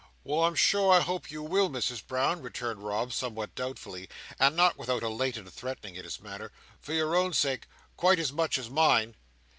"Well, I'm sure I hope you will, Misses Brown," returned Rob, somewhat doubtfully, and not without a latent threatening in his manner. "For your own sake, quite as much as mine."